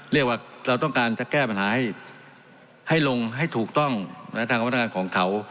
เรียกว่าเราต้องการจะแก้ปัญหาให้ลงให้ถูกต้องทางพนักงานของเขา